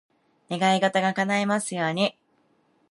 願い事が叶いますように。